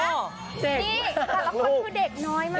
นี่แต่ละคนคือเด็กน้อยมาก